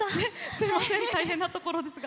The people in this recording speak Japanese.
すいません大変なところですが。